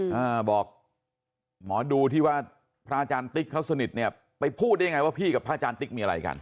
อ่าบอกหมอดูที่ว่าพระอาจารย์ติ๊กเขาสนิทเนี่ยไปพูดได้ไงว่าพี่กับพระอาจารย์ติ๊กมีอะไรกัน